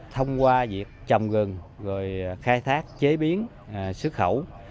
thông qua việc trồng rừng khai thác chế biến xuất khẩu